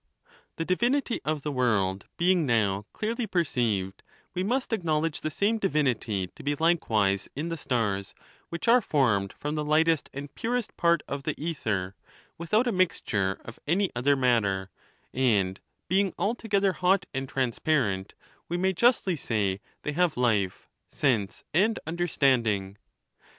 XV. The divinity of the world being now clearly per ceived, we must acknowledge the same divinity to be like wise in the stars, which are formed from the lightest and ' purest part of the ether, without a mixture of any other matter ; and, being altogether hot and transparent, we may justly say they have life, sense, and understanding.